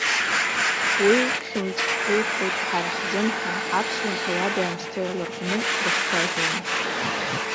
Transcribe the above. Уи хьымӡӷ духоит ҳара ҳзын ҳәа, аԥсуа ҭауади-аамсҭеи ларҟәны дрыхцәажәон.